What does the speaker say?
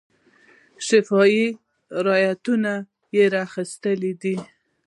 شفاهي روایتونه یې را اخیستي دي.